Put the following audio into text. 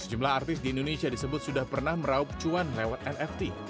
sejumlah artis di indonesia disebut sudah pernah meraup cuan lewat nft